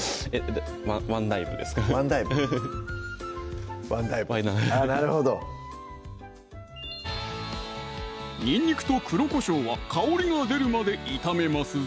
ワンダイブですかワンダイブワンダイブあぁなるほどにんにくと黒こしょうは香りが出るまで炒めますぞ